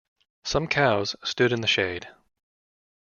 Some cows stood in the shade.